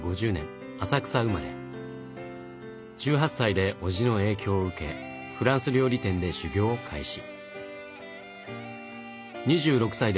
１８歳でおじの影響を受けフランス料理店で修業を開始。